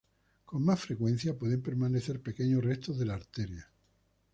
Con más frecuencia pueden permanecer pequeños restos de la arteria.